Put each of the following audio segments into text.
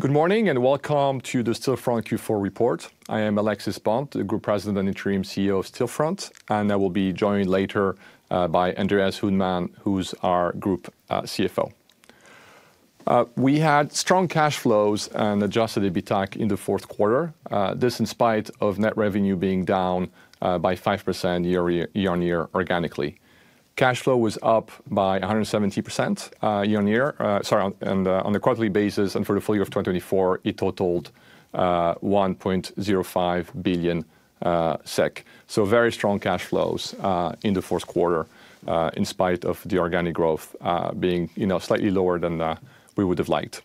Good morning and welcome to the Stillfront Q4 Report. I am Alexis Bonte, Group President and Interim CEO of Stillfront, and I will be joined later by Andreas Uddman, who's our Group CFO. We had strong cash flows and adjusted EBITDA in the fourth quarter, this in spite of net revenue being down by 5% year-on-year organically. Cash flow was up by 170% year-on-year. Sorry, and on a quarterly basis, and for the full year of 2024, it totaled 1.05 billion SEK. Very strong cash flows in the fourth quarter, in spite of the organic growth being slightly lower than we would have liked.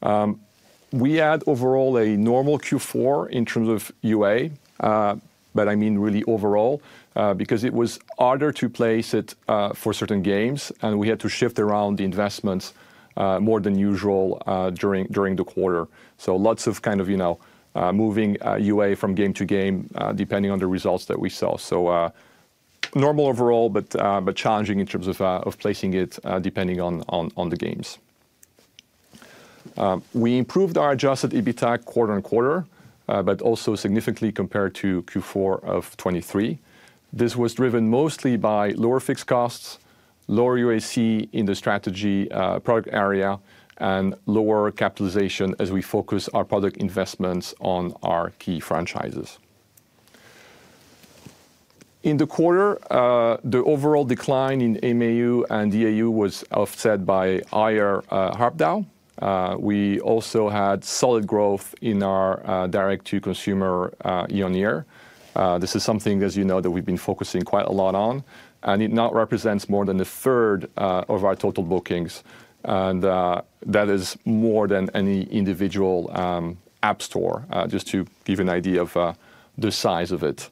We had overall a normal Q4 in terms of UA, but I mean really overall, because it was harder to place it for certain games, and we had to shift around the investments more than usual during the quarter. Lots of kind of moving UA from game to game, depending on the results that we saw. Normal overall, but challenging in terms of placing it depending on the games. We improved our adjusted EBITDA quarter-on-quarter, but also significantly compared to Q4 of 2023. This was driven mostly by lower fixed costs, lower UAC in the Strategy product area, and lower capitalization as we focus our product investments on our key franchises. In the quarter, the overall decline in MAU and DAU was offset by higher ARPDAU. We also had solid growth in our direct-to-consumer year-on-year. This is something, as you know, that we've been focusing quite a lot on, and it now represents more than a third of our total bookings, and that is more than any individual app store, just to give you an idea of the size of it.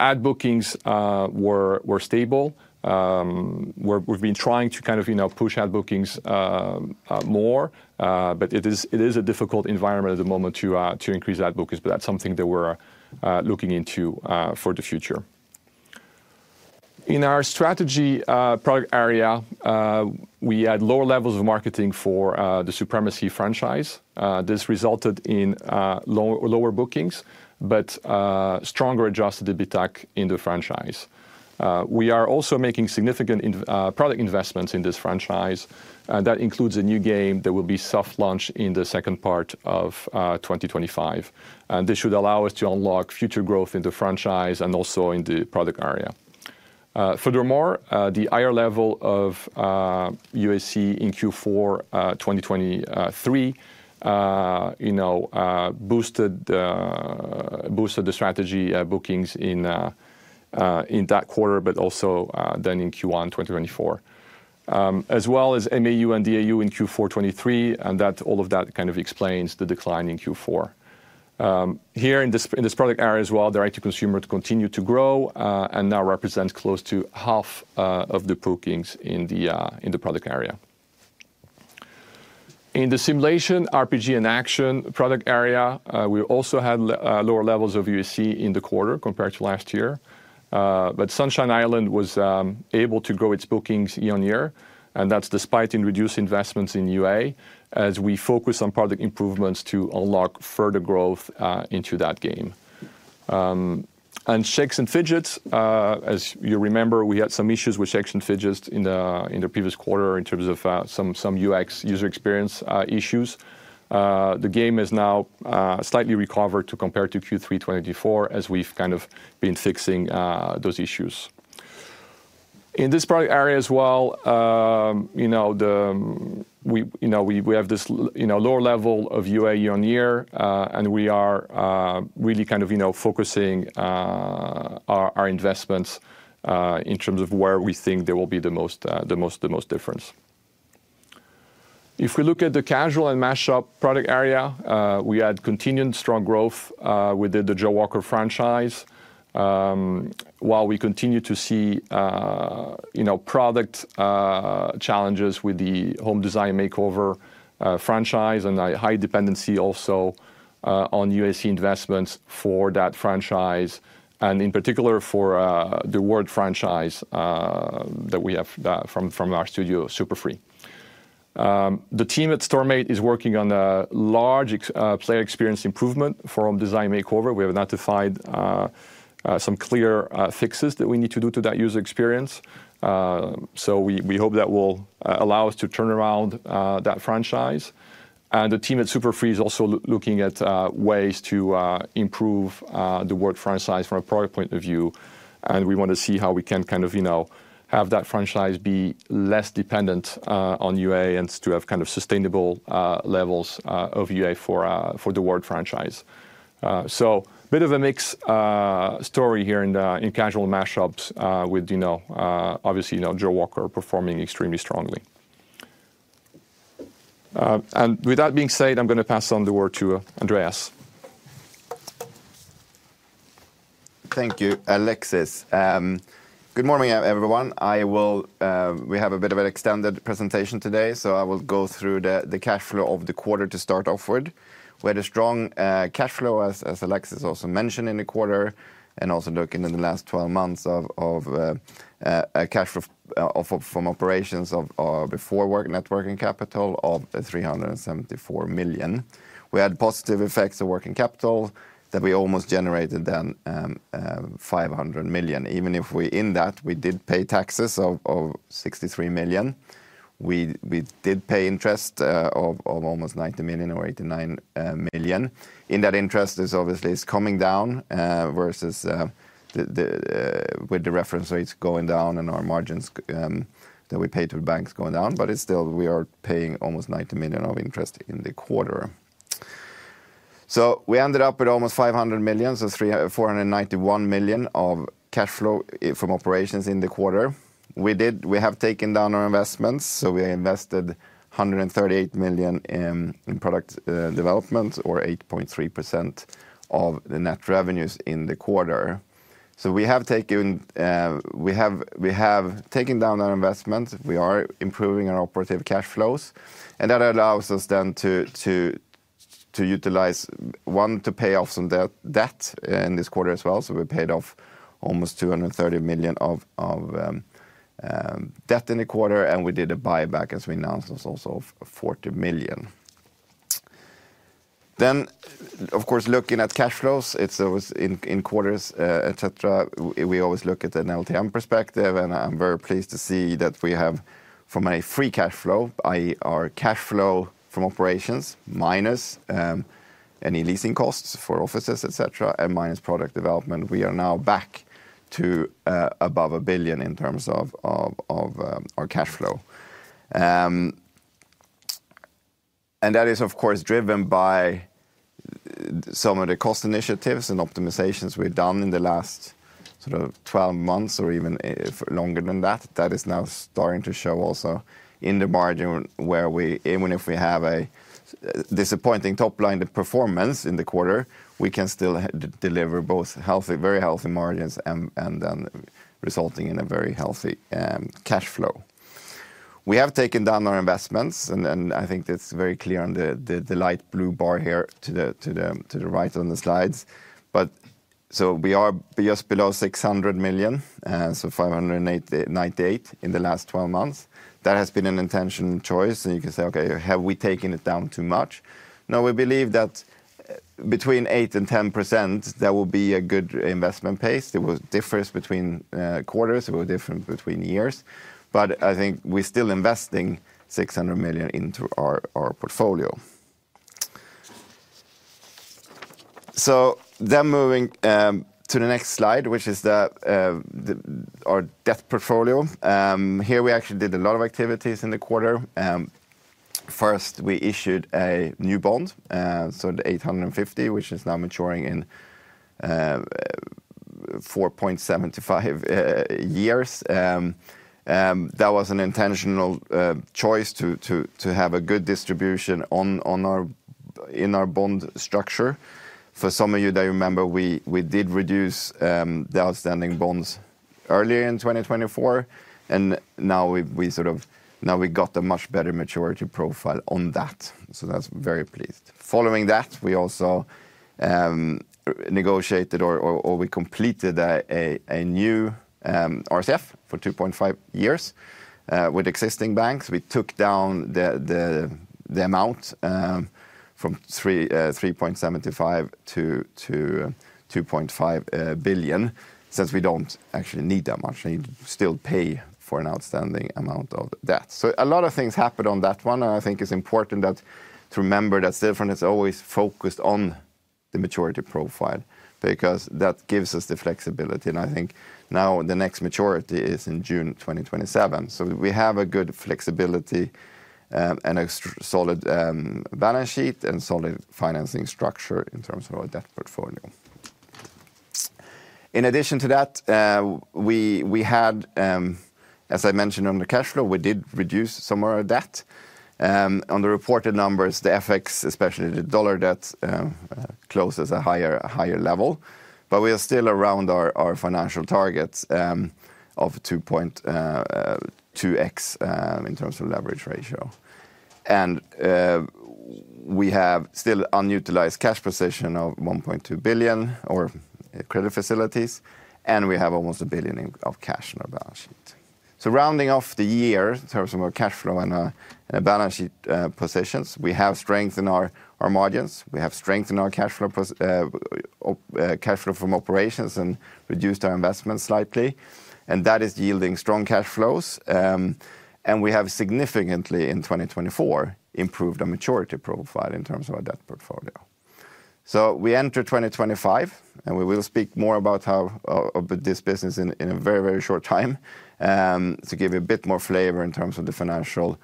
Ad bookings were stable. We have been trying to kind of push ad bookings more, but it is a difficult environment at the moment to increase ad bookings, but that is something that we are looking into for the future. In our Strategy product area, we had lower levels of marketing for the Supremacy franchise. This resulted in lower bookings, but stronger adjusted EBITDA in the franchise. We are also making significant product investments in this franchise, and that includes a new game that will be soft launched in the second part of 2025, and this should allow us to unlock future growth in the franchise and also in the product area. Furthermore, the higher level of UAC in Q4 2023 boosted the strategy bookings in that quarter, but also then in Q1 2024, as well as MAU and DAU in Q4 2023, and that all of that kind of explains the decline in Q4. Here in this product area as well, direct-to-consumer continued to grow and now represents close to half of the bookings in the product area. In the Simulation, RPG & Action product area, we also had lower levels of UAC in the quarter compared to last year, but Sunshine Island was able to grow its bookings year-on-year, and that's despite reduced investments in UA as we focus on product improvements to unlock further growth into that game. Shakes & Fidget, as you remember, we had some Shakes & Fidget in the previous quarter in terms of some UX user experience issues. The game has now slightly recovered compared to Q3 2024 as we've kind of been fixing those issues. In this product area as well, we have this lower level of UA year-on-year, and we are really kind of focusing our investments in terms of where we think there will be the most difference. If we look at the Casual & Mash-up product area, we had continued strong growth within the Jawaker franchise, while we continue to see product challenges with the Home Design Makeover franchise and a high dependency also on UAC investments for that franchise, and in particular for the Word franchise that we have from our studio, SuperFree. The team at Storm8 is working on a large player experience improvement for Home Design Makeover. We have identified some clear fixes that we need to do to that user experience. We hope that will allow us to turn around that franchise. The team at SuperFree is also looking at ways to improve the Word franchise from a product point of view, and we want to see how we can kind of have that franchise be less dependent on UA and to have kind of sustainable levels of UA for the Word franchise. A bit of a mixed story here in casual mashups with obviously Jawaker performing extremely strongly. With that being said, I'm going to pass on the word to Andreas. Thank you, Alexis. Good morning, everyone. We have a bit of an extended presentation today, so I will go through the cash flow of the quarter to start off with. We had a strong cash flow, as Alexis also mentioned, in the quarter, and also looking in the last 12 months of cash flow from operations before net working capital of 374 million. We had positive effects of working capital that we almost generated then 500 million. Even within that, we did pay taxes of 63 million. We did pay interest of almost 90 million or 89 million. In that interest, it is obviously coming down versus with the reference rates going down and our margins that we paid to the banks going down, but it is still we are paying almost 90 million of interest in the quarter. We ended up with almost 500 million, so 491 million of cash flow from operations in the quarter. We have taken down our investments, so we invested 138 million in product development or 8.3% of the net revenues in the quarter. We have taken down our investments. We are improving our operative cash flows, and that allows us then to utilize, one, to pay off some debt in this quarter as well. We paid off almost 230 million of debt in the quarter, and we did a buyback as we announced also of 40 million. Of course, looking at cash flows, it's always in quarters, et cetera, we always look at an LTM perspective, and I'm very pleased to see that we have from a free cash flow, i.e., our cash flow from operations minus any leasing costs for offices, et cetera, and minus product development, we are now back to above 1 billion in terms of our cash flow. That is, of course, driven by some of the cost initiatives and optimizations we've done in the last 12 months or even longer than that. That is now starting to show also in the margin where we, even if we have a disappointing top line performance in the quarter, we can still deliver both very healthy margins and then resulting in a very healthy cash flow. We have taken down our investments, and I think it's very clear on the light blue bar here to the right on the slides. We are just below 600 million, so 598 million in the last 12 months. That has been an intentional choice, and you can say, okay, have we taken it down too much? No, we believe that between 8%-10%, that will be a good investment pace. It will differ between quarters. It will differ between years, but I think we're still investing 600 million into our portfolio. Moving to the next slide, which is our debt portfolio. Here, we actually did a lot of activities in the quarter. First, we issued a new bond, so the 850 million, which is now maturing in 4.75 years. That was an intentional choice to have a good distribution in our bond structure. For some of you that remember, we did reduce the outstanding bonds earlier in 2024, and now we got a much better maturity profile on that, so that's very pleased. Following that, we also negotiated or we completed a new RCF for 2.5 years with existing banks. We took down the amount from 3.75 billion to 2.5 billion since we don't actually need that much. We still pay for an outstanding amount of debt. A lot of things happened on that one, and I think it's important to remember that Stillfront is always focused on the maturity profile because that gives us the flexibility, and I think now the next maturity is in June 2027. We have a good flexibility and a solid balance sheet and solid financing structure in terms of our debt portfolio. In addition to that, we had, as I mentioned on the cash flow, we did reduce some of our debt. On the reported numbers, the FX, especially the dollar debt, closes at a higher level, but we are still around our financial target of 2.2x in terms of leverage ratio. We have still unutilized cash position of 1.2 billion or credit facilities, and we have almost 1 billion of cash in our balance sheet. Rounding off the year in terms of our cash flow and our balance sheet positions, we have strengthened our margins. We have strengthened our cash flow from operations and reduced our investments slightly, and that is yielding strong cash flows. We have significantly in 2024 improved our maturity profile in terms of our debt portfolio. We enter 2025, and we will speak more about this business in a very, very short time to give you a bit more flavor in terms of the financial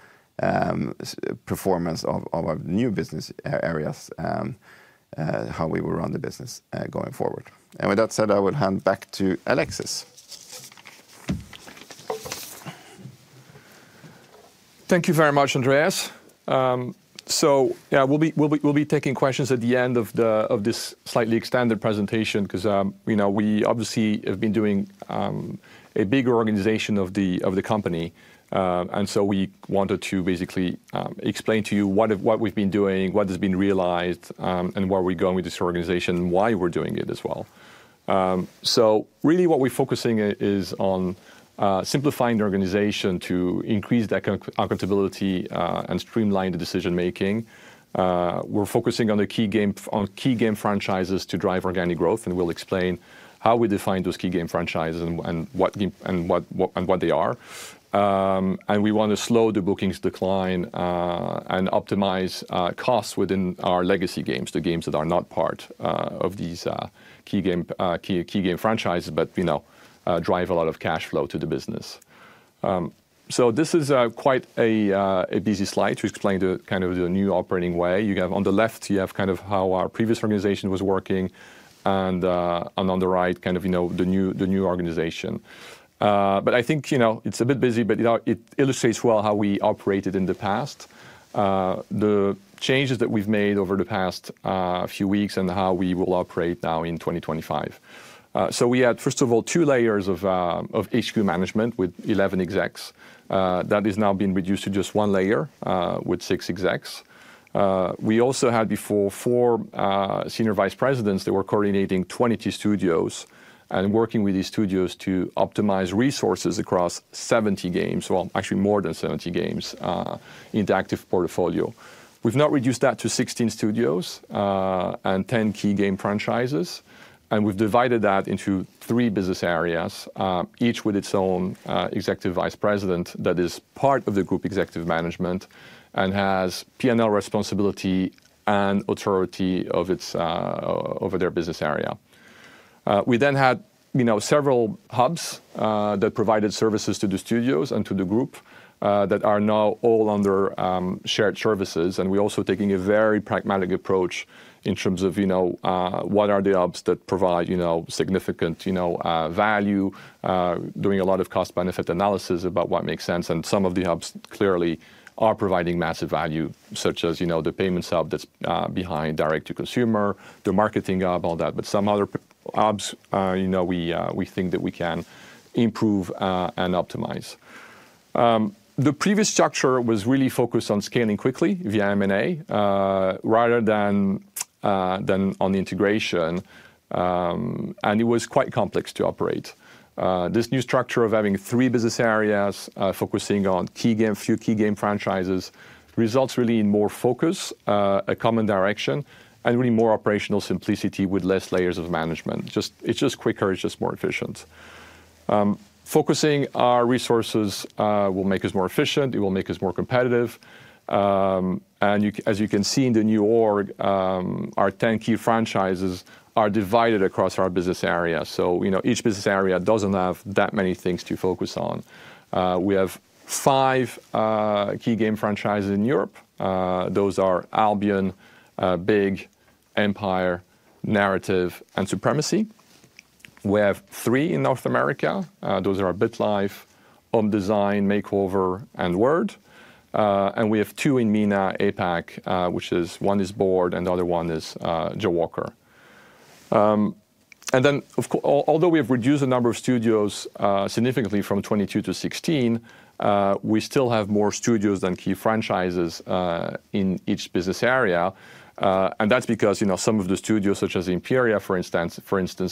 performance of our new business areas, how we will run the business going forward. With that said, I will hand back to Alexis. Thank you very much, Andreas. Yeah, we'll be taking questions at the end of this slightly extended presentation because we obviously have been doing a big organization of the company, and we wanted to basically explain to you what we've been doing, what has been realized, and where we're going with this organization, why we're doing it as well. Really what we're focusing on is on simplifying the organization to increase that accountability and streamline the decision-making. We're focusing on key game franchises to drive organic growth, and we'll explain how we define those key game franchises and what they are. We want to slow the bookings decline and optimize costs within our legacy games, the games that are not part of these key game franchises, but drive a lot of cash flow to the business. This is quite a busy slide to explain kind of the new operating way. On the left, you have kind of how our previous organization was working, and on the right, kind of the new organization. I think it's a bit busy, but it illustrates well how we operated in the past, the changes that we've made over the past few weeks, and how we will operate now in 2025. We had, first of all, two layers of HQ management with 11 execs. That has now been reduced to just one layer with six execs. We also had before four senior vice presidents that were coordinating 22 studios and working with these studios to optimize resources across 70 games, actually more than 70 games in the active portfolio. We've now reduced that to 16 studios and 10 key game franchises, and we've divided that into three business areas, each with its own Executive Vice President that is part of the group executive management and has P&L responsibility and authority over their business area. We then had several hubs that provided services to the studios and to the group that are now all under shared services, and we're also taking a very pragmatic approach in terms of what are the hubs that provide significant value, doing a lot of cost-benefit analysis about what makes sense, and some of the hubs clearly are providing massive value, such as the payments hub that's behind direct-to-consumer, the marketing hub, all that, but some other hubs we think that we can improve and optimize. The previous structure was really focused on scaling quickly via M&A rather than on integration, and it was quite complex to operate. This new structure of having three business areas focusing on a few key game franchises results really in more focus, a common direction, and really more operational simplicity with less layers of management. It is just quicker. It is just more efficient. Focusing our resources will make us more efficient. It will make us more competitive. As you can see in the new org, our 10 key franchises are divided across our business areas. Each business area does not have that many things to focus on. We have five key game franchises in Europe. Those are Albion, Big, Empire, Narrative, and Supremacy. We have three in North America. Those are BitLife, Home Design Makeover, and Word. We have two in MENA, APAC, which is one is Board and the other one is Jawaker. Although we have reduced the number of studios significantly from 22 to 16, we still have more studios than key franchises in each business area. That is because some of the studios, such as Imperia, for instance,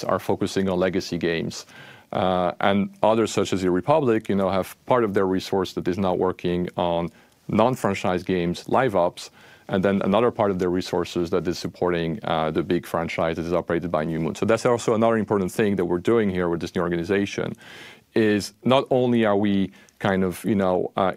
are focusing on legacy games. Others, such as eRepublik, have part of their resource that is now working on non-franchise games, live-ups, and then another part of their resources that is supporting the big franchises operated by New Moon. That's also another important thing that we're doing here with this new organization. Not only are we kind of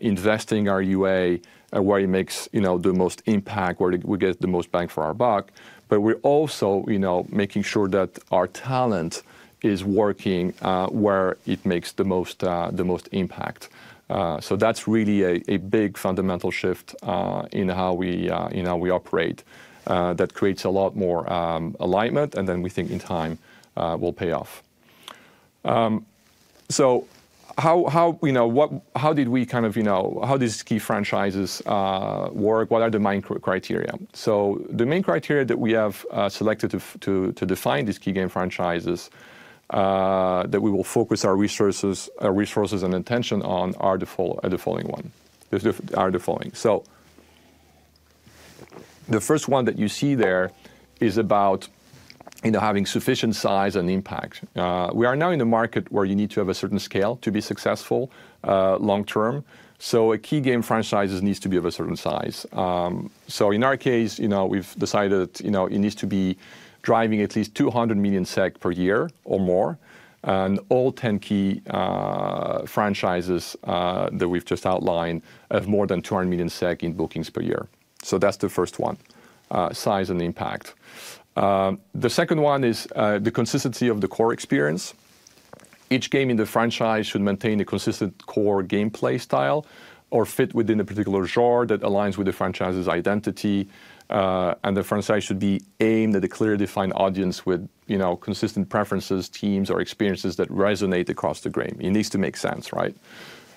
investing our UA where it makes the most impact, where we get the most bang for our buck, but we're also making sure that our talent is working where it makes the most impact. That's really a big fundamental shift in how we operate that creates a lot more alignment, and then we think in time will pay off. How did we kind of, how do these key franchises work? What are the main criteria? The main criteria that we have selected to define these key game franchises that we will focus our resources and attention on are the following one. The first one that you see there is about having sufficient size and impact. We are now in a market where you need to have a certain scale to be successful long-term. Key game franchises need to be of a certain size. In our case, we've decided it needs to be driving at least 200 million SEK per year or more, and all 10 key franchises that we've just outlined have more than 200 million SEK in bookings per year. That's the first one, size and impact. The second one is the consistency of the core experience. Each game in the franchise should maintain a consistent core gameplay style or fit within a particular genre that aligns with the franchise's identity, and the franchise should be aimed at a clearly defined audience with consistent preferences, themes, or experiences that resonate across the game. It needs to make sense, right?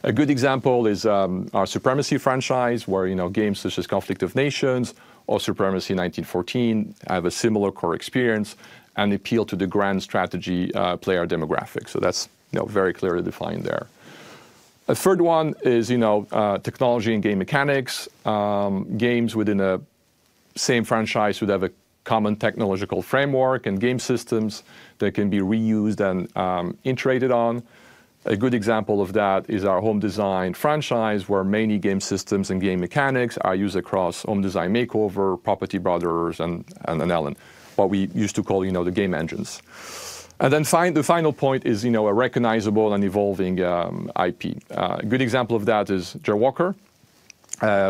A good example is our Supremacy franchise, where games such as Conflict of Nations or Supremacy 1914 have a similar core experience and appeal to the grand strategy player demographics. That is very clearly defined there. A third one is technology and game mechanics. Games within the same franchise should have a common technological framework and game systems that can be reused and iterated on. A good example of that is our Home Design franchise, where many game systems and game mechanics are used across Home Design Makeover, Property Brothers, and Ellen, what we used to call the game engines. The final point is a recognizable and evolving IP. A good example of that is Jawaker,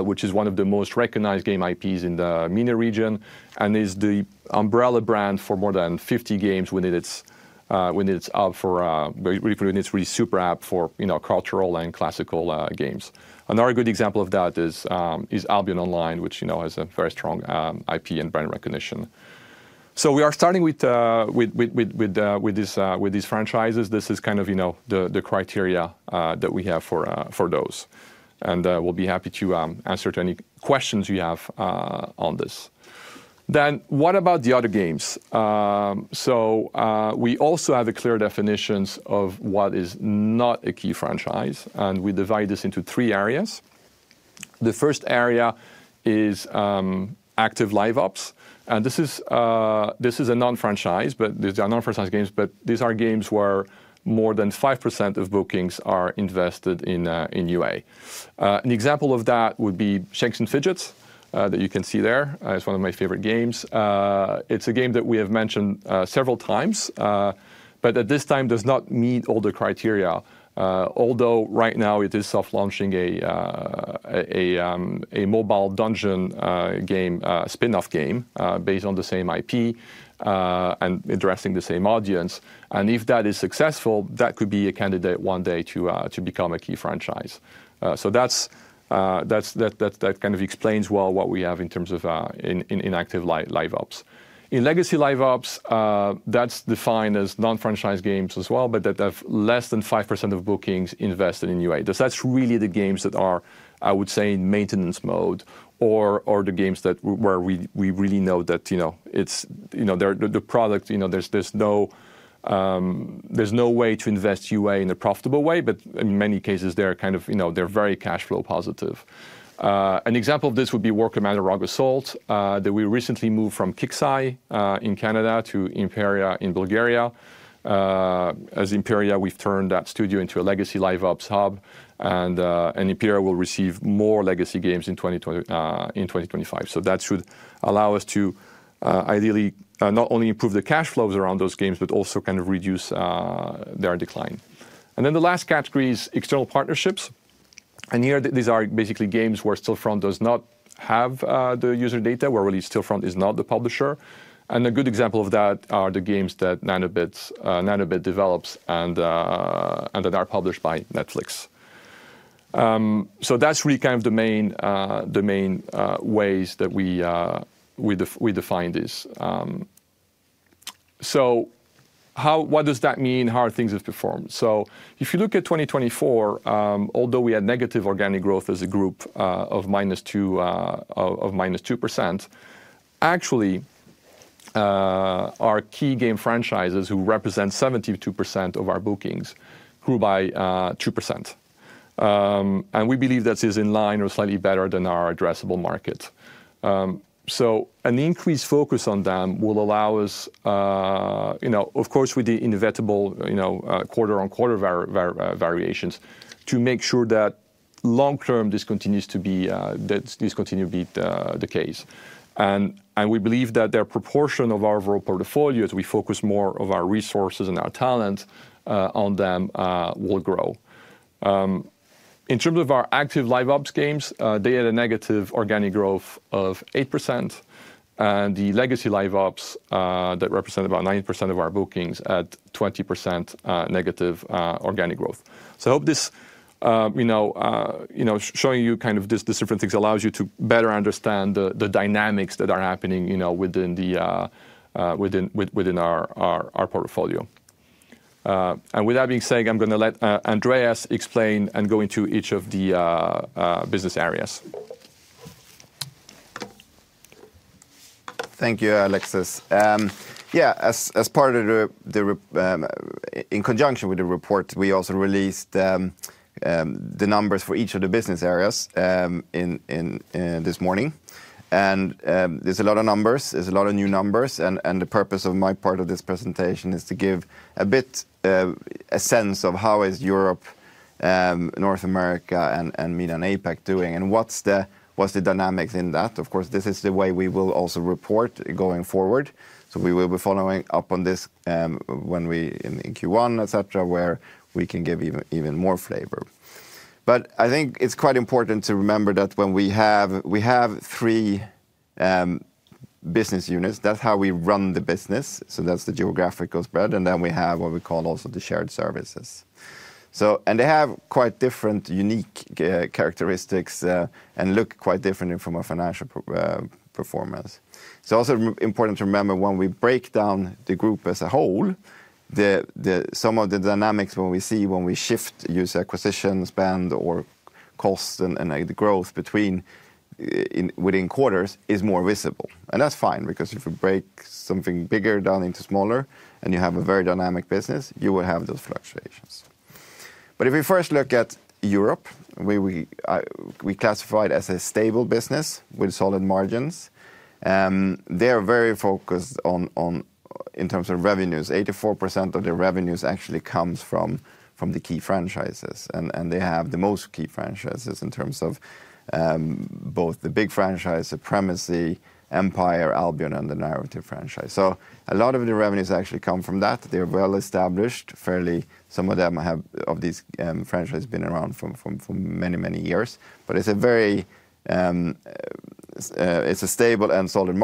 which is one of the most recognized game IPs in the MENA region and is the umbrella brand for more than 50 games within its app for, really, it's really super app for cultural and classical games. Another good example of that is Albion Online, which has a very strong IP and brand recognition. We are starting with these franchises. This is kind of the criteria that we have for those, and we'll be happy to answer any questions you have on this. What about the other games? We also have a clear definition of what is not a key franchise, and we divide this into three areas. The first area is active live-ops, and this is a non-franchise, but these are non-franchise games, but these are games where more than 5% of bookings are invested in UA. An example of that Shakes & Fidget that you can see there. It's one of my favorite games. It's a game that we have mentioned several times, but at this time does not meet all the criteria, although right now it is soft-launching a mobile dungeon game, spinoff game based on the same IP and addressing the same audience. If that is successful, that could be a candidate one day to become a key franchise. That kind of explains well what we have in terms of inactive live-ups. In legacy live-ups, that's defined as non-franchise games as well, but that have less than 5% of bookings invested in UA. That is really the games that are, I would say, in maintenance mode or the games where we really know that the product, there is no way to invest UA in a profitable way, but in many cases, they are kind of very cash flow positive. An example of this would be War Commander: Rogue Assault that we recently moved from KIXEYE in Canada to Imperia in Bulgaria. As Imperia, we have turned that studio into a legacy live-ops hub, and Imperia will receive more legacy games in 2025. That should allow us to ideally not only improve the cash flows around those games, but also kind of reduce their decline. The last category is external partnerships. Here, these are basically games where Stillfront does not have the user data, where really Stillfront is not the publisher. A good example of that are the games that Nanobit develops and that are published by Netflix. That is really kind of the main ways that we define this. What does that mean? How have things performed? If you look at 2024, although we had negative organic growth as a group of -2%, actually, our key game franchises, who represent 72% of our bookings, grew by 2%. We believe that is in line or slightly better than our addressable market. An increased focus on them will allow us, of course, with the inevitable quarter-on-quarter variations, to make sure that long-term this continues to be the case. We believe that their proportion of our overall portfolio, as we focus more of our resources and our talent on them, will grow. In terms of our active live-ops games, they had a negative organic growth of 8%, and the legacy live-ops that represent about 90% of our bookings had 20% negative organic growth. I hope this showing you kind of these different things allows you to better understand the dynamics that are happening within our portfolio. With that being said, I'm going to let Andreas explain and go into each of the business areas. Thank you, Alexis. Yeah, in conjunction with the report, we also released the numbers for each of the business areas this morning. There is a lot of numbers. There is a lot of new numbers. The purpose of my part of this presentation is to give a bit a sense of how is Europe, North America, and MENA and APAC doing, and what is the dynamics in that. Of course, this is the way we will also report going forward. We will be following up on this in Q1, etc., where we can give even more flavor. I think it is quite important to remember that when we have three business units, that is how we run the business. That is the geographical spread. Then we have what we call also the shared services. They have quite different unique characteristics and look quite different from our financial performance. Also important to remember when we break down the group as a whole, some of the dynamics when we see when we shift user acquisition spend or cost and the growth within quarters is more visible. That's fine because if we break something bigger down into smaller and you have a very dynamic business, you will have those fluctuations. If we first look at Europe, we classify it as a stable business with solid margins. They are very focused in terms of revenues. 84% of their revenues actually comes from the key franchises, and they have the most key franchises in terms of both the Big Farm franchise, Supremacy, Empire, Albion, and the Narrative franchise. A lot of the revenues actually come from that. They're well established. Some of these franchises have been around for many, many years. It's a stable and solid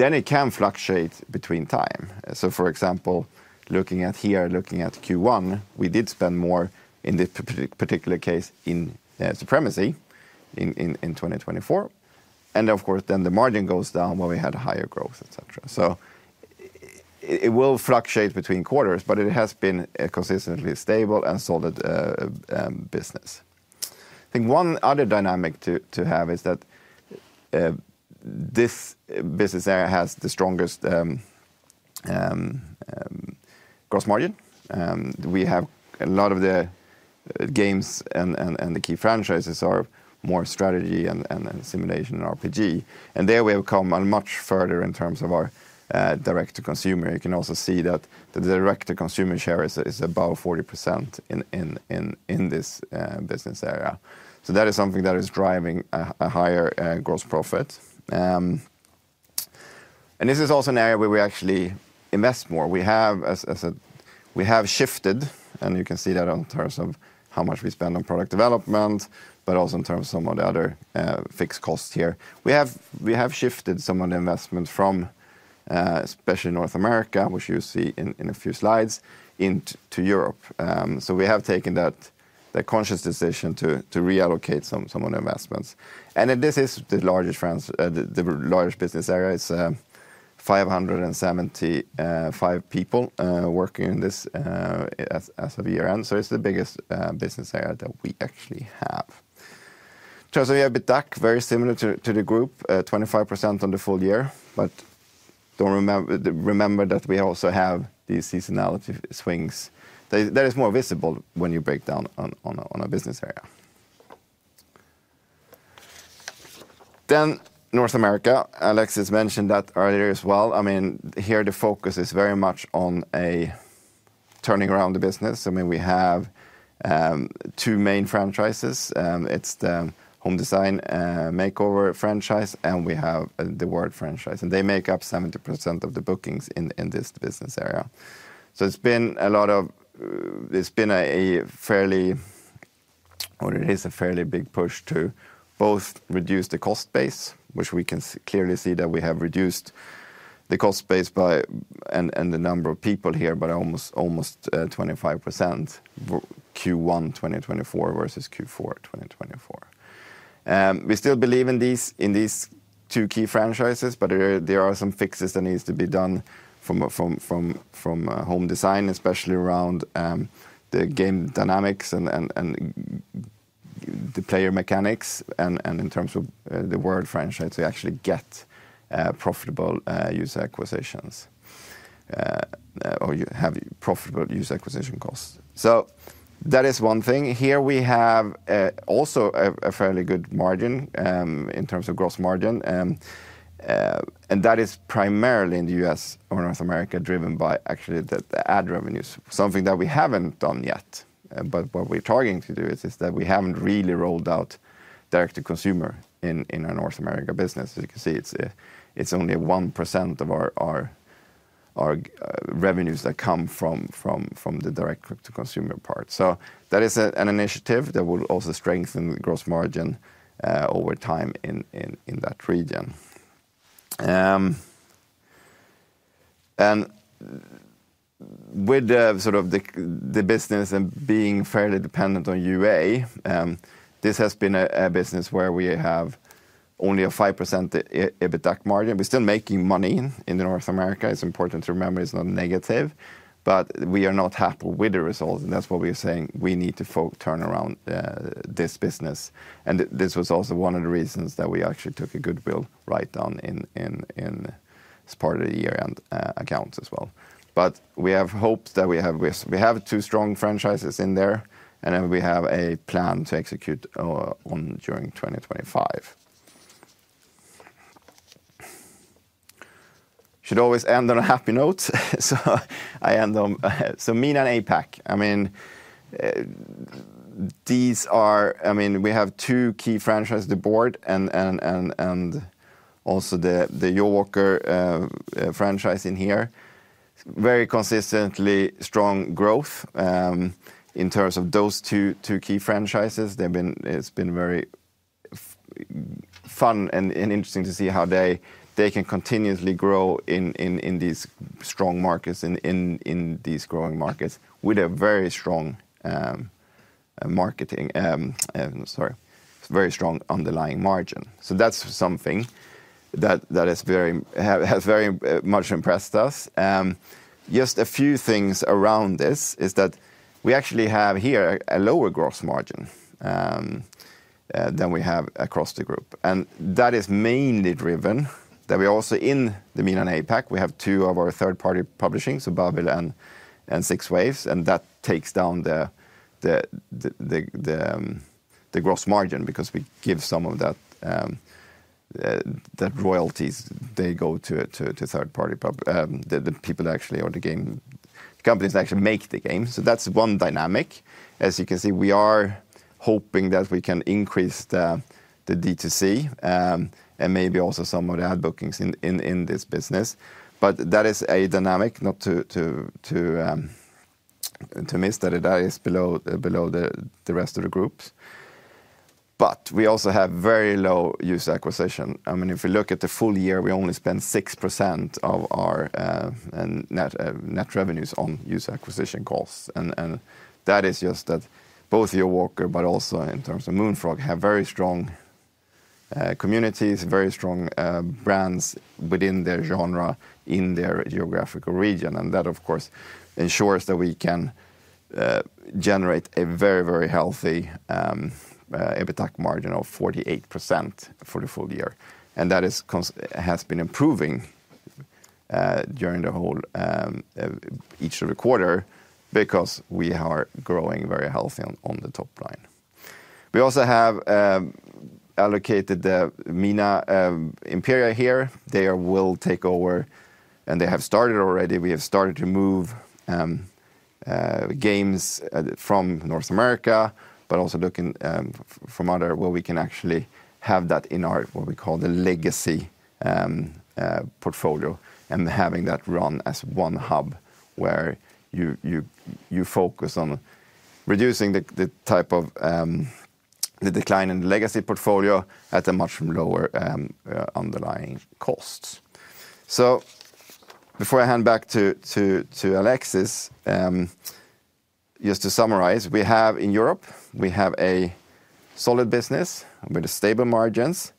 margin. It can fluctuate between time. For example, looking at Q1, we did spend more in this particular case in Supremacy in 2024. Of course, the margin goes down when we had higher growth, etc. It will fluctuate between quarters, but it has been a consistently stable and solid business. I think one other dynamic to have is that this business area has the strongest gross margin. We have a lot of the games and the key franchises are more strategy and simulation and RPG. There we have come much further in terms of our direct-to-consumer. You can also see that the direct-to-consumer share is above 40% in this business area. That is something that is driving a higher gross profit. This is also an area where we actually invest more. We have shifted, and you can see that in terms of how much we spend on product development, but also in terms of some of the other fixed costs here. We have shifted some of the investments from, especially North America, which you see in a few slides, into Europe. We have taken that conscious decision to reallocate some of the investments. This is the largest business area. It is 575 people working in this as of year end. It is the biggest business area that we actually have. We have a bit back very similar to the group, 25% on the full year, but remember that we also have these seasonality swings that are more visible when you break down on a business area. North America, Alexis mentioned that earlier as well. I mean, here the focus is very much on turning around the business. I mean, we have two main franchises. It's the Home Design Makeover franchise, and we have the Word franchise. They make up 70% of the bookings in this business area. It's been a fairly big push to both reduce the cost base, which we can clearly see that we have reduced the cost base by, and the number of people here, by almost 25% Q1 2024 versus Q4 2024. We still believe in these two key franchises, but there are some fixes that need to be done from Home Design, especially around the game dynamics and the player mechanics. In terms of the Word franchise, we actually get profitable user acquisitions or have profitable user acquisition costs. That is one thing. Here we have also a fairly good margin in terms of gross margin. That is primarily in the U.S. or North America driven by actually the ad revenues, something that we have not done yet. What we are targeting to do is that we have not really rolled out direct-to-consumer in our North America business. As you can see, it is only 1% of our revenues that come from the direct-to-consumer part. That is an initiative that will also strengthen the gross margin over time in that region. With sort of the business and being fairly dependent on UA, this has been a business where we have only a 5% margin. We are still making money in North America. It is important to remember it is not negative, but we are not happy with the results. That is what we are saying. We need to turn around this business. This was also one of the reasons that we actually took a goodwill write-down as part of the year-end accounts as well. We have hopes that we have two strong franchises in there, and then we have a plan to execute on during 2025. Should always end on a happy note. MENA and APAC, I mean, we have two key franchises, the Board and also the Jawaker franchise in here. Very consistently strong growth in terms of those two key franchises. It's been very fun and interesting to see how they can continuously grow in these strong markets, in these growing markets with a very strong marketing, sorry, very strong underlying margin. That's something that has very much impressed us. Just a few things around this is that we actually have here a lower gross margin than we have across the group. That is mainly driven that we also in the MENA and APAC, we have two of our third-party publishings, so Babil Games and 6waves. That takes down the gross margin because we give some of that royalties. They go to third-party publishers, the people actually, or the game companies that actually make the game. That is one dynamic. As you can see, we are hoping that we can increase the D2C and maybe also some of the ad bookings in this business. That is a dynamic not to miss that it is below the rest of the groups. We also have very low user acquisition. I mean, if we look at the full year, we only spend 6% of our net revenues on user acquisition costs. That is just that both Jawaker, but also in terms of Moonfrog, have very strong communities, very strong brands within their genre in their geographical region. That, of course, ensures that we can generate a very, very healthy EBITDA margin of 48% for the full year. That has been improving during each of the quarters because we are growing very healthy on the top line. We also have allocated the MENA Imperia here. They will take over, and they have started already. We have started to move games from North America, but also looking from other, where we can actually have that in our what we call the legacy portfolio and having that run as one hub where you focus on reducing the type of the decline in the legacy portfolio at a much lower underlying costs. Before I hand back to Alexis, just to summarize, we have in Europe, we have a solid business with stable margins.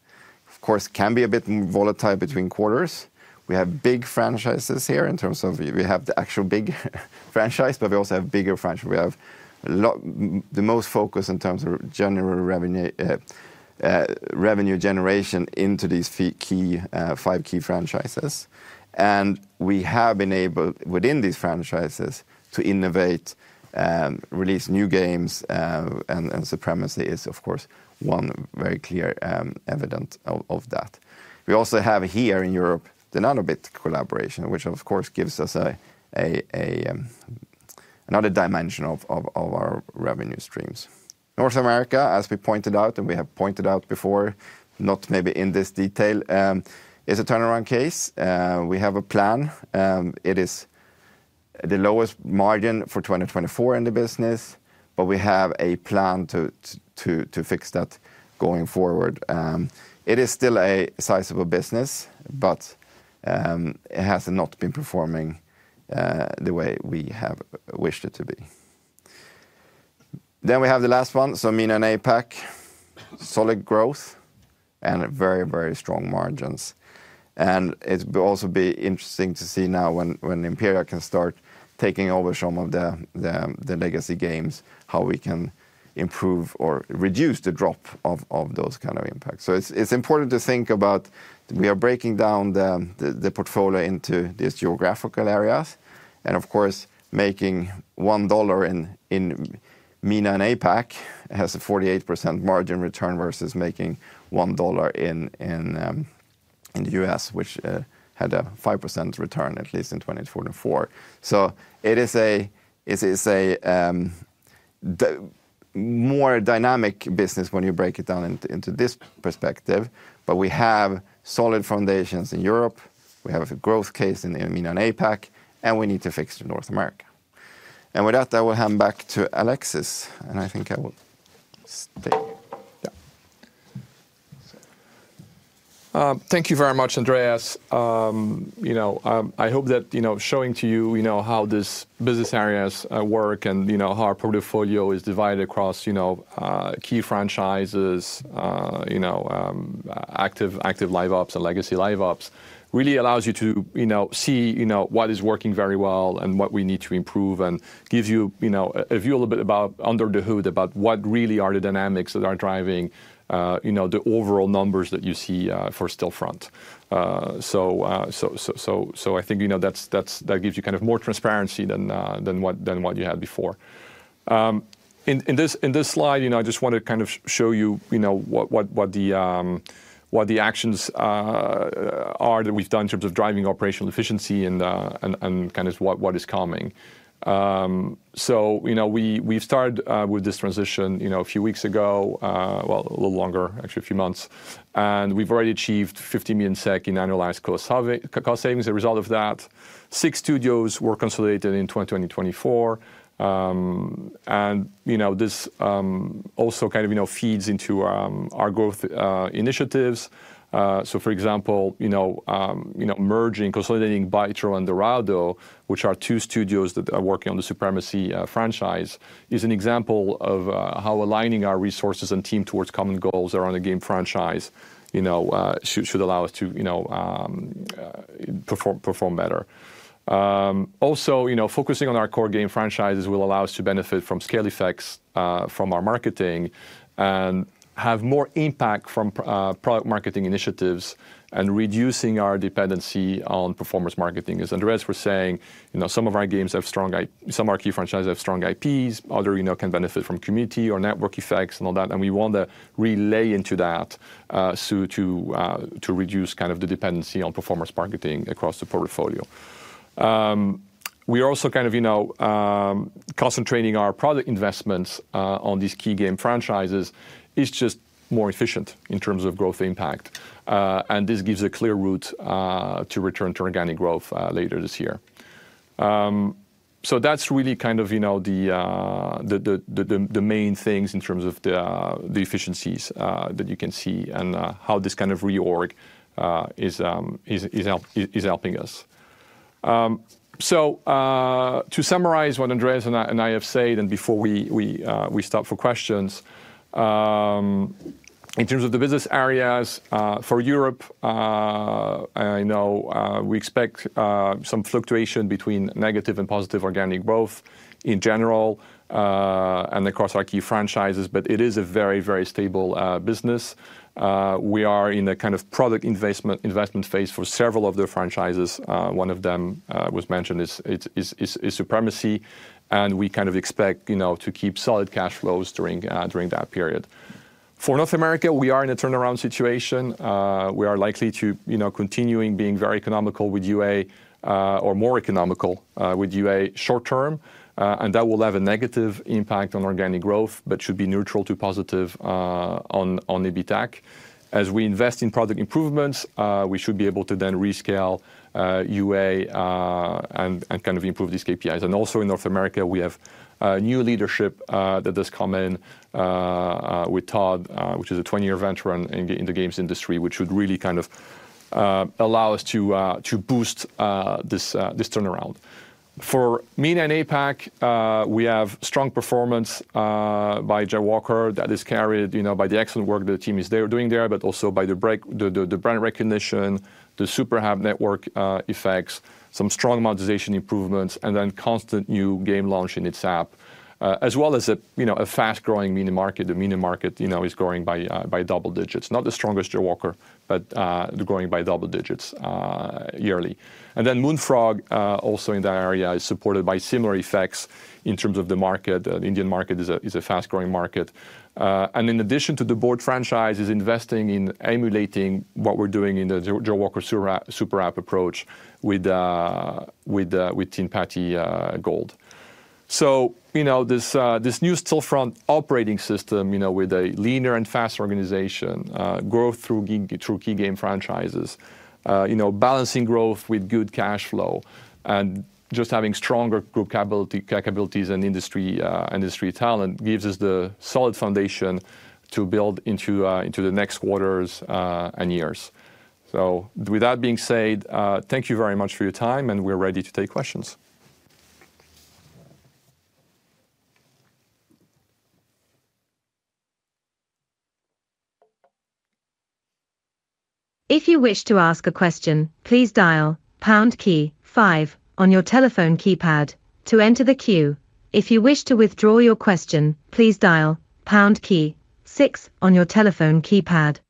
Of course, it can be a bit more volatile between quarters. We have big franchises here in terms of we have the actual Big Farm franchise, but we also have bigger franchises. We have the most focus in terms of general revenue generation into these five key franchises. We have been able within these franchises to innovate, release new games, and Supremacy is, of course, one very clear evidence of that. We also have here in Europe the Nanobit collaboration, which of course gives us another dimension of our revenue streams. North America, as we pointed out, and we have pointed out before, not maybe in this detail, is a turnaround case. We have a plan. It is the lowest margin for 2024 in the business, but we have a plan to fix that going forward. It is still a sizable business, but it has not been performing the way we have wished it to be. We have the last one. MENA and APAC, solid growth and very, very strong margins. It will also be interesting to see now when Imperia can start taking over some of the legacy games, how we can improve or reduce the drop of those kinds of impacts. It is important to think about we are breaking down the portfolio into these geographical areas. Of course, making $1 in MENA and APAC has a 48% margin return versus making $1 in the U.S., which had a 5% return at least in 2024. It is a more dynamic business when you break it down into this perspective. We have solid foundations in Europe. We have a growth case in MENA and APAC, and we need to fix in North America. With that, I will hand back to Alexis. I think I will stay. Thank you very much, Andreas. I hope that showing to you how these business areas work and how our portfolio is divided across key franchises, active live-ops and legacy live-ops, really allows you to see what is working very well and what we need to improve and gives you a view a little bit under the hood about what really are the dynamics that are driving the overall numbers that you see for Stillfront. I think that gives you kind of more transparency than what you had before. In this slide, I just want to kind of show you what the actions are that we've done in terms of driving operational efficiency and kind of what is coming. We've started with this transition a few weeks ago, actually a little longer, a few months. We've already achieved 50 million SEK in annualized cost savings as a result of that. Six studios were consolidated in 2024. This also kind of feeds into our growth initiatives. For example, merging, consolidating Bytro and Dorado, which are two studios that are working on the Supremacy franchise, is an example of how aligning our resources and team towards common goals around a game franchise should allow us to perform better. Also, focusing on our core game franchises will allow us to benefit from scale effects from our marketing and have more impact from product marketing initiatives and reducing our dependency on performance marketing. As Andreas was saying, some of our games have strong, some of our key franchises have strong IPs. Others can benefit from community or network effects and all that. We want to really lay into that to reduce kind of the dependency on performance marketing across the portfolio. We are also kind of concentrating our product investments on these key game franchises. It is just more efficient in terms of growth impact. This gives a clear route to return to organic growth later this year. That is really kind of the main things in terms of the efficiencies that you can see and how this kind of reorg is helping us. To summarize what Andreas and I have said and before we stop for questions, in terms of the business areas for Europe, I know we expect some fluctuation between negative and positive organic growth in general and across our key franchises, but it is a very, very stable business. We are in a kind of product investment phase for several of the franchises. One of them was mentioned is Supremacy. We kind of expect to keep solid cash flows during that period. For North America, we are in a turnaround situation. We are likely to continue being very economical with UA or more economical with UA short term. That will have a negative impact on organic growth, but should be neutral to positive on EBITDA. As we invest in product improvements, we should be able to then rescale UA and kind of improve these KPIs. Also in North America, we have new leadership that has come in with Todd, which is a 20-year venture in the games industry, which should really kind of allow us to boost this turnaround. For MENA and APAC, we have strong performance by Jawaker that is carried by the excellent work that the team is doing there, but also by the brand recognition, the Super App network effects, some strong monetization improvements, and then constant new game launch in its app, as well as a fast-growing MENA market. The MENA market is growing by double digits, not the strongest Jawaker, but growing by double digits yearly. Moonfrog also in that area is supported by similar effects in terms of the market. The Indian market is a fast-growing market. In addition to the Board franchise, is investing in emulating what we're doing in the Jawaker SuperApp approach with Teen Patti Gold. This new Stillfront operating system with a leaner and faster organization, growth through key game franchises, balancing growth with good cash flow, and just having stronger capabilities and industry talent gives us the solid foundation to build into the next quarters and years. With that being said, thank you very much for your time, and we're ready to take questions. If you wish to ask a question, please dial pound key, five on your telephone keypad to enter the queue. If you wish to withdraw your question, please dial pound key, six on your telephone keypad.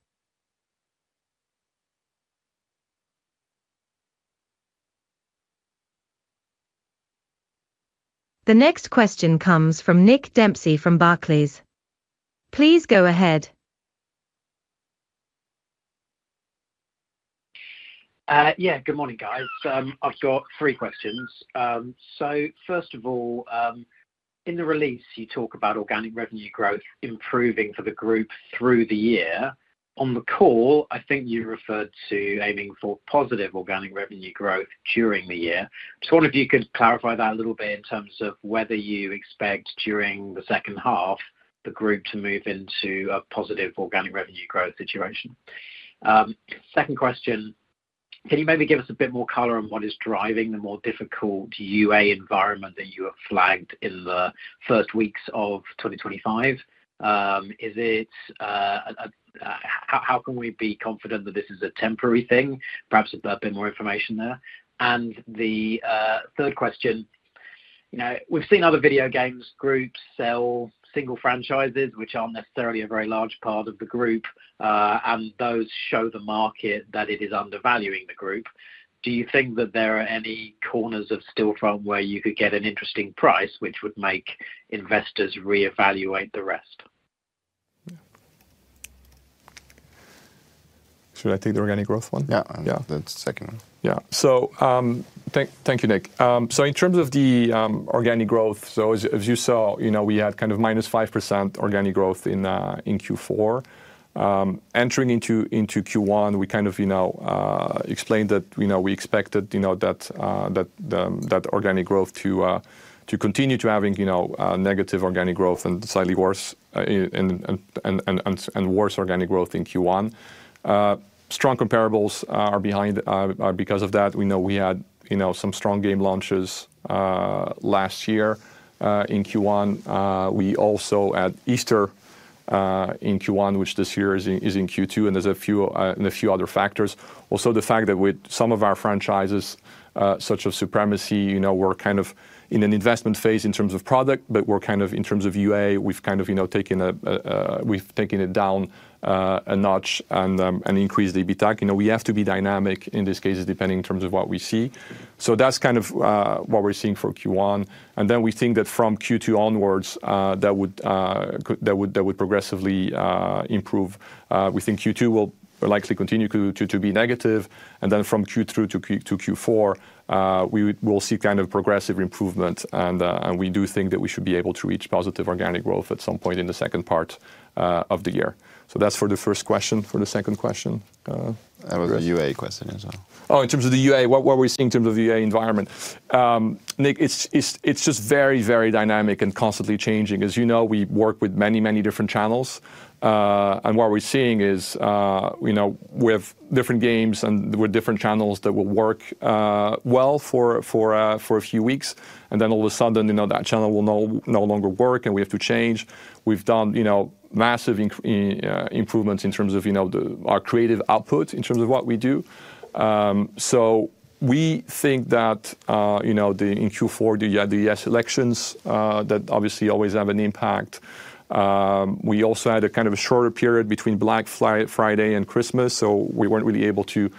The next question comes from Nick Dempsey from Barclays. Please go ahead. Yeah, good morning, guys. I've got three questions. First of all, in the release, you talk about organic revenue growth improving for the group through the year. On the call, I think you referred to aiming for positive organic revenue growth during the year. I just wonder if you could clarify that a little bit in terms of whether you expect during the second half, the group to move into a positive organic revenue growth situation. Second question, can you maybe give us a bit more color on what is driving the more difficult UA environment that you have flagged in the first weeks of 2025? How can we be confident that this is a temporary thing? Perhaps a bit more information there. The third question, we've seen other video games groups sell single franchises, which aren't necessarily a very large part of the group, and those show the market that it is undervaluing the group. Do you think that there are any corners of Stillfront where you could get an interesting price which would make investors reevaluate the rest? Should I take the organic growth one? Yeah, that's the second one. Yeah. Thank you, Nick. In terms of the organic growth, as you saw, we had kind of minus 5% organic growth in Q4. Entering into Q1, we kind of explained that we expected that organic growth to continue to having negative organic growth and slightly worse organic growth in Q1. Strong comparables are behind because of that. We know we had some strong game launches last year in Q1. We also had Easter in Q1, which this year is in Q2, and there's a few other factors. Also, the fact that with some of our franchises, such as Supremacy, we're kind of in an investment phase in terms of product, but we're kind of in terms of UA, we've taken it down a notch and increased the EBITDA. We have to be dynamic in these cases depending in terms of what we see. That's kind of what we're seeing for Q1. We think that from Q2 onwards, that would progressively improve. We think Q2 will likely continue to be negative. From Q3 to Q4, we will see kind of progressive improvement. We do think that we should be able to reach positive organic growth at some point in the second part of the year. That's for the first question. For the second question? That was the UA question as well. Oh, in terms of the UA, what were we seeing in terms of the UA environment? Nick, it's just very, very dynamic and constantly changing. As you know, we work with many, many different channels. What we're seeing is we have different games and different channels that will work well for a few weeks. Then all of a sudden, that channel will no longer work and we have to change. We've done massive improvements in terms of our creative output in terms of what we do. We think that in Q4, the U.S. elections obviously always have an impact. We also had a kind of shorter period between Black Friday and Christmas. We were not really able to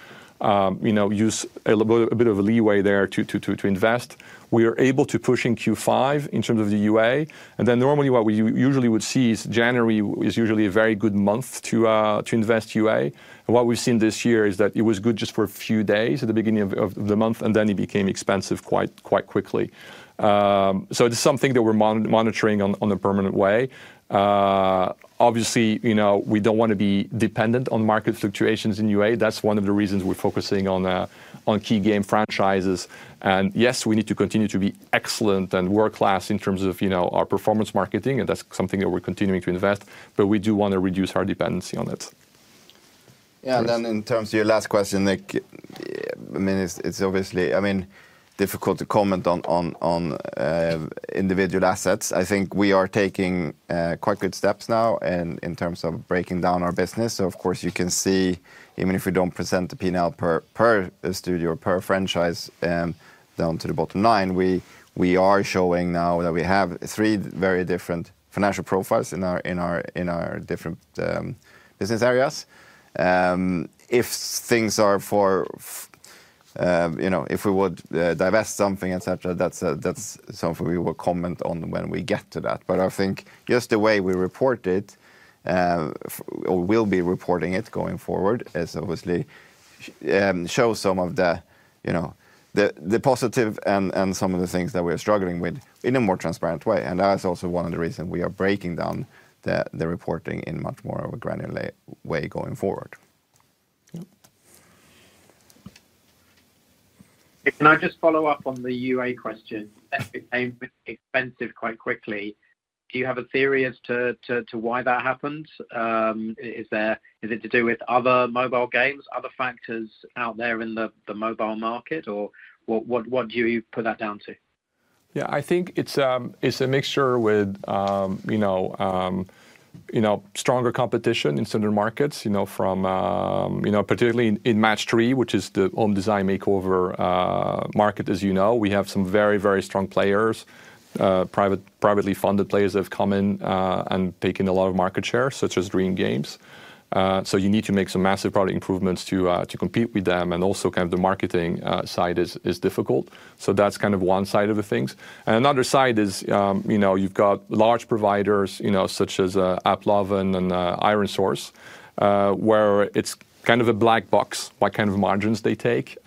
use a bit of a leeway there to invest. We are able to push in Q5 in terms of the UA. Normally what we usually would see is January is usually a very good month to invest UA. What we've seen this year is that it was good just for a few days at the beginning of the month, and then it became expensive quite quickly. It is something that we're monitoring in a permanent way. Obviously, we do not want to be dependent on market fluctuations in UA. That is one of the reasons we're focusing on key game franchises. Yes, we need to continue to be excellent and world-class in terms of our performance marketing. That is something that we're continuing to invest. We do want to reduce our dependency on it. In terms of your last question, Nick, it is obviously, I mean, difficult to comment on individual assets. I think we are taking quite good steps now in terms of breaking down our business. Of course, you can see even if we do not present the P&L per studio or per franchise down to the bottom line, we are showing now that we have three very different financial profiles in our different business areas. If things are for, if we would divest something, etc., that is something we will comment on when we get to that. I think just the way we report it or will be reporting it going forward obviously shows some of the positive and some of the things that we are struggling with in a more transparent way. That is also one of the reasons we are breaking down the reporting in much more of a granular way going forward. Can I just follow up on the UA question? It became expensive quite quickly. Do you have a theory as to why that happened? Is it to do with other mobile games, other factors out there in the mobile market, or what do you put that down to? Yeah, I think it's a mixture with stronger competition in similar markets, particularly in Match 3, which is the Home Design Makeover market. As you know, we have some very, very strong players, privately funded players that have come in and taken a lot of market share, such as Dream Games. You need to make some massive product improvements to compete with them. Also, the marketing side is difficult. That's one side of the things. Another side is you've got large providers such as AppLovin and ironSource, where it's kind of a black box what kind of margins they take.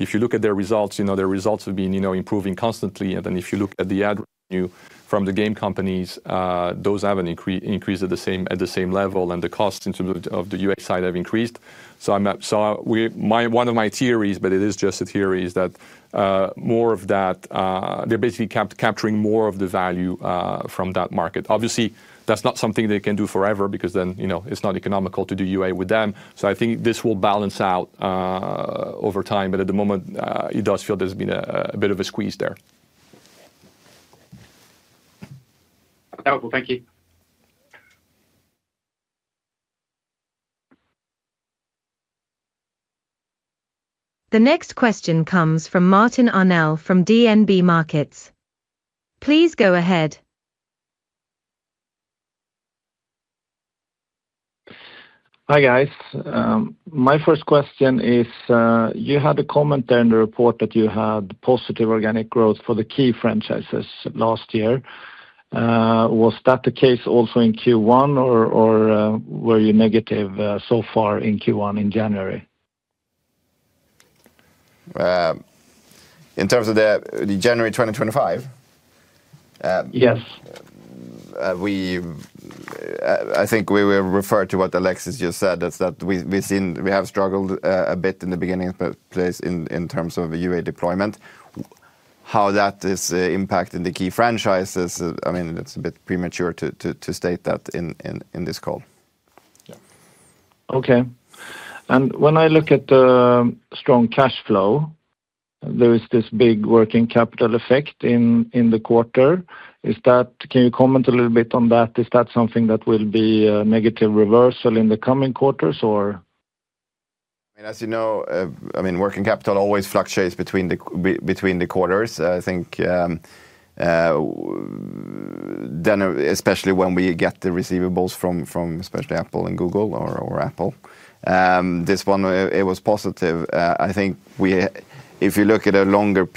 If you look at their results, their results have been improving constantly. If you look at the ad revenue from the game companies, those have not increased at the same level. The costs in terms of the UA side have increased. One of my theories, but it is just a theory, is that more of that, they are basically capturing more of the value from that market. Obviously, that is not something they can do forever because then it is not economical to do UA with them. I think this will balance out over time. At the moment, it does feel there has been a bit of a squeeze there. Thank you. The next question comes from Martin Arnell from DNB Markets. Please go ahead. Hi guys. My first question is you had a comment there in the report that you had positive organic growth for the key franchises last year. Was that the case also in Q1, or were you negative so far in Q1 in January? In terms of the January 2025? Yes. I think we will refer to what Alexis just said, that we have struggled a bit in the beginning place in terms of UA deployment, how that is impacting the key franchises. I mean, it's a bit premature to state that in this call. Yeah. Okay. And when I look at the strong cash flow, there is this big working capital effect in the quarter. Can you comment a little bit on that? Is that something that will be a negative reversal in the coming quarters, or? I mean, as you know, I mean, working capital always fluctuates between the quarters. I think especially when we get the receivables from especially Apple and Google or Apple. This one, it was positive. I think if you look at a longer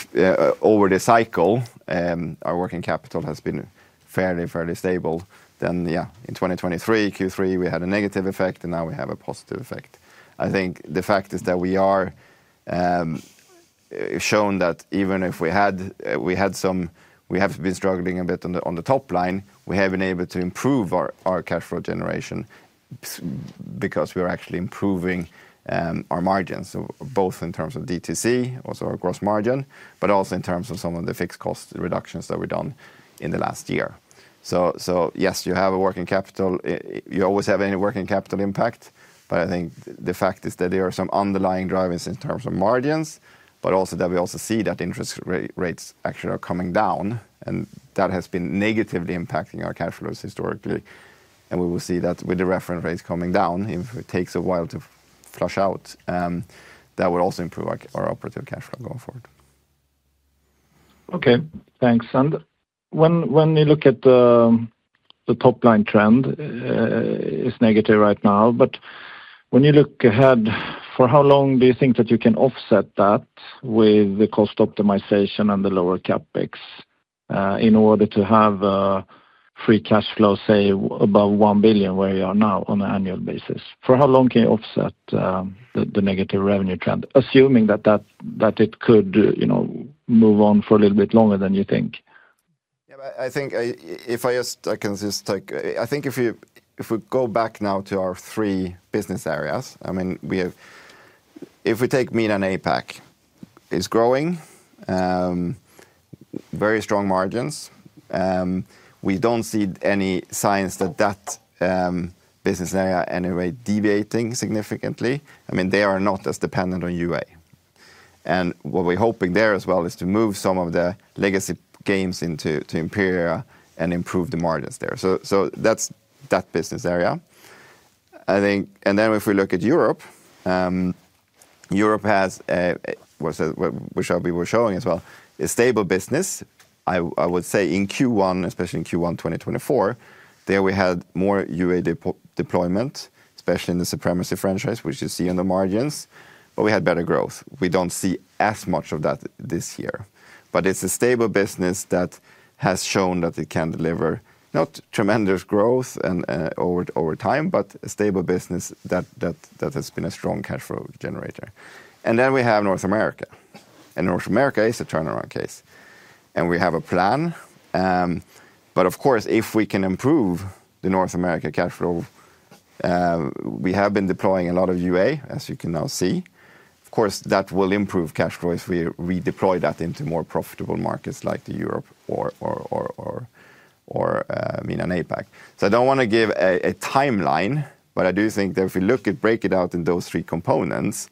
over the cycle, our working capital has been fairly, fairly stable. In 2023, Q3, we had a negative effect, and now we have a positive effect. I think the fact is that we are shown that even if we had some we have been struggling a bit on the top line, we have been able to improve our cash flow generation because we are actually improving our margins, both in terms of DTC, also our gross margin, but also in terms of some of the fixed cost reductions that we've done in the last year. Yes, you have a working capital. You always have any working capital impact. I think the fact is that there are some underlying drivers in terms of margins, but also that we also see that interest rates actually are coming down. That has been negatively impacting our cash flows historically. We will see that with the reference rates coming down. It takes a while to flush out. That will also improve our operative cash flow going forward. Okay, thanks. When you look at the top line trend, it's negative right now. When you look ahead, for how long do you think that you can offset that with the cost optimization and the lower CapEx in order to have free cash flow, say, above 1 billion where you are now on an annual basis? For how long can you offset the negative revenue trend, assuming that it could move on for a little bit longer than you think? Yeah, I think if I just take, I think if we go back now to our three business areas, I mean, if we take MENA and APAC, it's growing, very strong margins. We do not see any signs that that business area in any way deviating significantly. I mean, they are not as dependent on UA. What we're hoping there as well is to move some of the legacy games into Imperia and improve the margins there. That is that business area. If we look at Europe, Europe has, which we were showing as well, a stable business. I would say in Q1, especially in Q1 2024, there we had more UA deployment, especially in the Supremacy franchise, which you see on the margins. We had better growth. We do not see as much of that this year. It is a stable business that has shown that it can deliver not tremendous growth over time, but a stable business that has been a strong cash flow generator. We have North America. North America is a turnaround case. We have a plan. Of course, if we can improve the North America cash flow, we have been deploying a lot of UA, as you can now see. Of course, that will improve cash flow if we redeploy that into more profitable markets like Europe or MENA and APAC. I don't want to give a timeline, but I do think that if we look at break it out in those three components,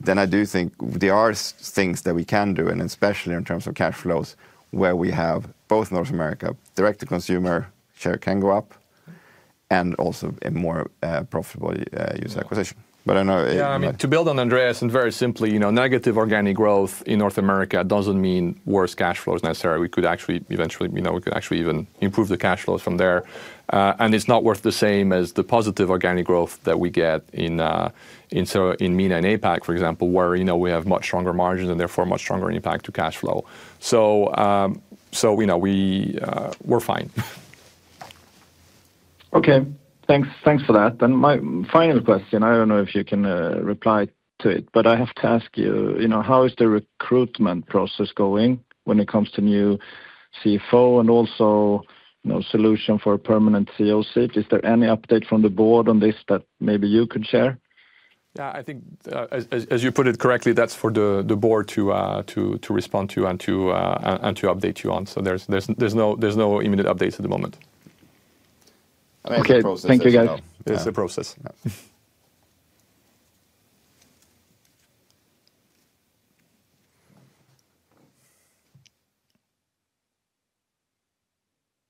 then I do think there are things that we can do, and especially in terms of cash flows where we have both North America direct-to-consumer share can go up and also a more profitable user acquisition. I know. Yeah, I mean, to build on Andreas and very simply, negative organic growth in North America doesn't mean worse cash flows necessarily. We could actually eventually we could actually even improve the cash flows from there. It's not worth the same as the positive organic growth that we get in MENA and APAC, for example, where we have much stronger margins and therefore much stronger impact to cash flow. We're fine. Okay, thanks for that. My final question, I don't know if you can reply to it, but I have to ask you, how is the recruitment process going when it comes to new CFO and also solution for a permanent COC? Is there any update from the board on this that maybe you could share? I think as you put it correctly, that's for the board to respond to and to update you on. There's no imminent updates at the moment. Thank you guys. It's a process.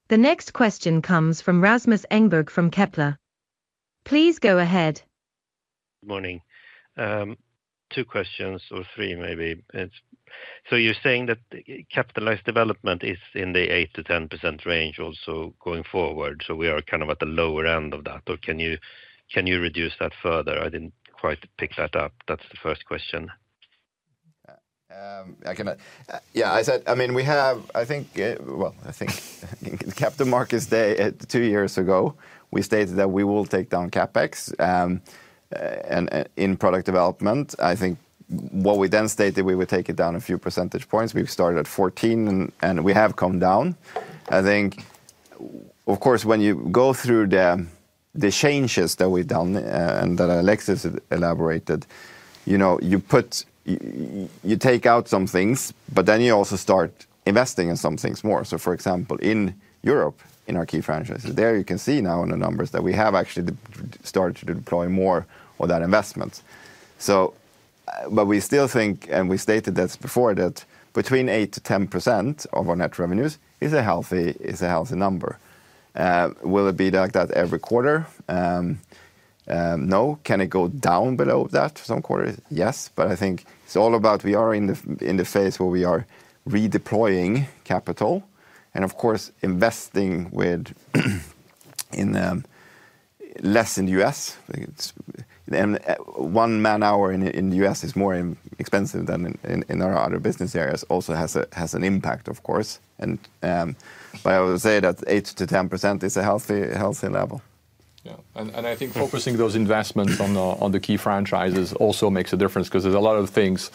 The next question comes from Rasmus Engberg from Kepler. Please go ahead. Good morning. Two questions or three maybe. You're saying that capitalized development is in the 8-10% range also going forward. We are kind of at the lower end of that. Or can you reduce that further? I didn't quite pick that up. That's the first question. Yeah, I said, I mean, we have, I think, I think Capital Markets Day two years ago, we stated that we will take down CapEx in product development. I think what we then stated, we would take it down a few percentage points. We started at 14, and we have come down. I think, of course, when you go through the changes that we've done and that Alexis elaborated, you take out some things, but you also start investing in some things more. For example, in Europe, in our key franchises, there you can see now in the numbers that we have actually started to deploy more of that investment. We still think, and we stated this before, that between 8-10% of our net revenues is a healthy number. Will it be like that every quarter? No. Can it go down below that some quarters? Yes. I think it's all about we are in the phase where we are redeploying capital. Of course, investing less in the U.S., one man-hour in the U.S. is more expensive than in our other business areas, also has an impact, of course. I would say that 8-10% is a healthy level. Yeah. I think focusing those investments on the key franchises also makes a difference because there's a lot of things,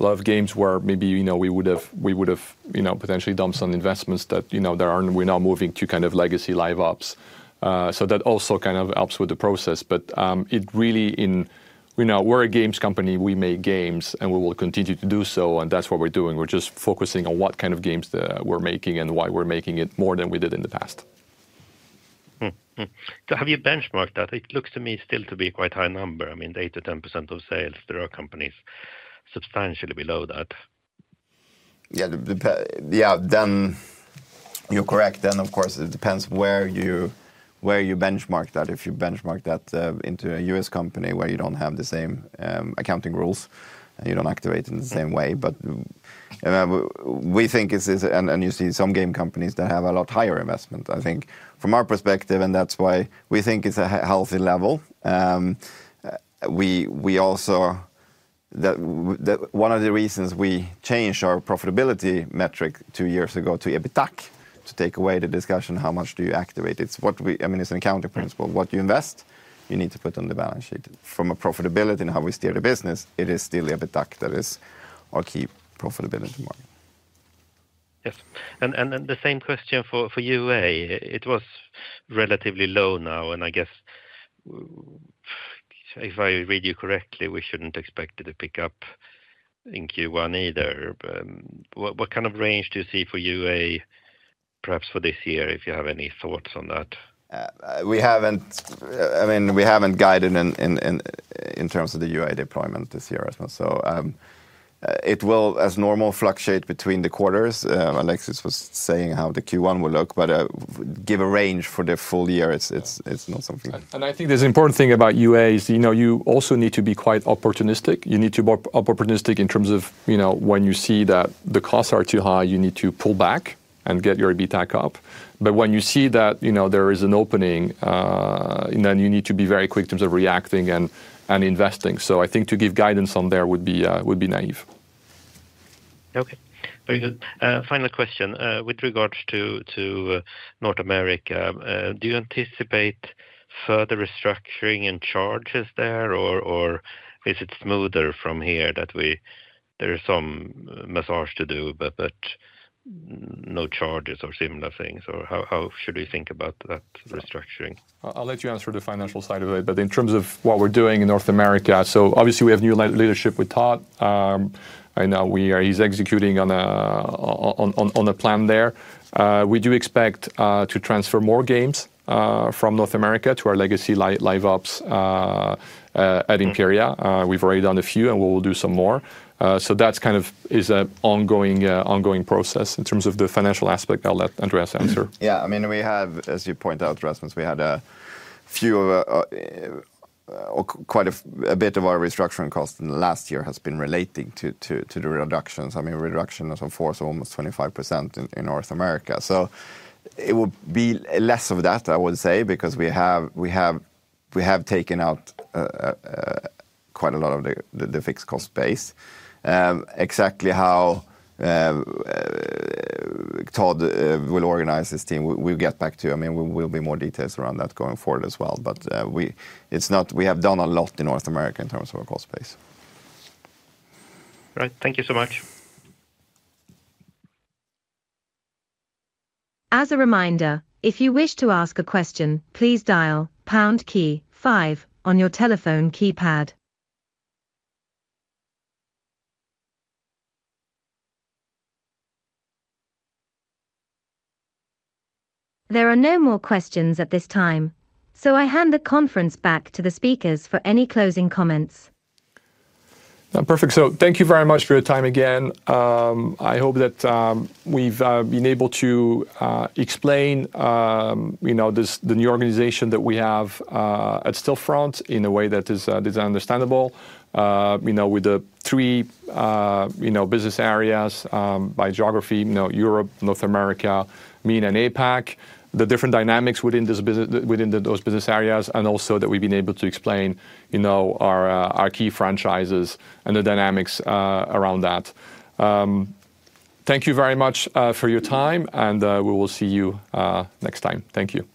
a lot of games where maybe we would have potentially dumped some investments that we're now moving to kind of Legacy LiveOps. That also kind of helps with the process. It really, we're a games company. We make games and we will continue to do so. That's what we're doing. We're just focusing on what kind of games we're making and why we're making it more than we did in the past. Have you benchmarked that? It looks to me still to be quite a high number. I mean, 8-10% of sales, there are companies substantially below that. Yeah, you're correct. Of course, it depends where you benchmark that. If you benchmark that into a U.S. company where you don't have the same accounting rules and you don't activate in the same way. We think, and you see some game companies that have a lot higher investment, I think, from our perspective, and that's why we think it's a healthy level. One of the reasons we changed our profitability metric two years ago to EBITDA to take away the discussion, how much do you activate? It's, I mean, it's an accounting principle. What you invest, you need to put on the balance sheet. From a profitability and how we steer the business, it is still EBITDA that is our key profitability metric. Yes. The same question for UA. It was relatively low now. I guess, if I read you correctly, we shouldn't expect it to pick up in Q1 either. What kind of range do you see for UA, perhaps for this year, if you have any thoughts on that? I mean, we haven't guided in terms of the UA deployment this year as well. It will, as normal, fluctuate between the quarters. Alexis was saying how the Q1 will look, but give a range for the full year. It's not something. I think there's an important thing about UA is you also need to be quite opportunistic. You need to be opportunistic in terms of when you see that the costs are too high, you need to pull back and get your EBITDA up. When you see that there is an opening, you need to be very quick in terms of reacting and investing. I think to give guidance on there would be naive. Okay. Very good. Final question. With regards to North America, do you anticipate further restructuring and charges there, or is it smoother from here that there is some massage to do, but no charges or similar things? How should we think about that restructuring? I'll let you answer the financial side of it, but in terms of what we're doing in North America, obviously we have new leadership with Todd. I know he's executing on a plan there. We do expect to transfer more games from North America to our Legacy LiveOps at Imperia. We've already done a few, and we will do some more. That kind of is an ongoing process in terms of the financial aspect. I'll let Andreas answer. Yeah. I mean, we have, as you point out, Rasmus, we had a few or quite a bit of our restructuring costs in the last year has been relating to the reductions. I mean, reduction of four, so almost 25% in North America. It will be less of that, I would say, because we have taken out quite a lot of the fixed cost base. Exactly how Todd will organize his team, we'll get back to you. There will be more details around that going forward as well. We have done a lot in North America in terms of our cost base. All right. Thank you so much. As a reminder, if you wish to ask a question, please dial pound key five on your telephone keypad. There are no more questions at this time. I hand the conference back to the speakers for any closing comments. Perfect. Thank you very much for your time again. I hope that we've been able to explain the new organization that we have at Stillfront in a way that is understandable with the three business areas by geography, Europe, North America, MENA and APAC, the different dynamics within those business areas, and also that we've been able to explain our key franchises and the dynamics around that. Thank you very much for your time, and we will see you next time. Thank you.